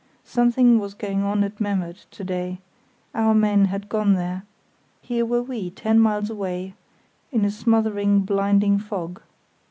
Something was going on at Memmert to day; our men had gone there; here were we, ten miles away, in a smothering, blinding fog.